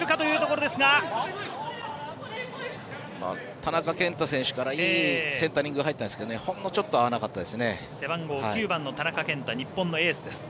田中健太選手からいいセンタリングが入ったんですけどほんのちょっと合いませんでしたね。